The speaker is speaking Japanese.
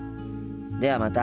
ではまた。